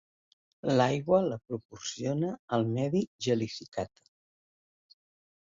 L'aigua la proporciona el medi gelificat.